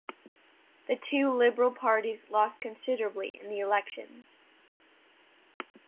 The two liberal parties lost considerably in the elections.